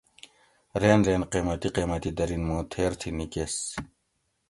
رین رین قیمتی قیمتی دھرین موں تھیر تھی نِیکیس